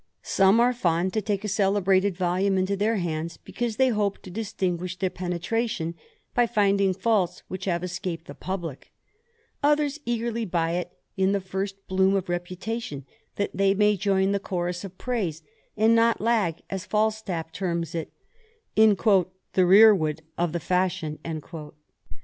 Some are fond to take a celebrated volume into their hands, because they hope to distinguish their penetration, by finding faults which have escaped the publick ; others eagerly buy it in, the first bloom of reputation, that they may join the chorus of praise, and not lag, as Falstaff^ terms it, in " the rearward of the fashion," THE ADVENTURER.